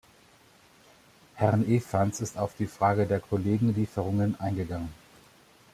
Herrn Evans ist auf die Frage der Kollegenlieferungen eingegangen.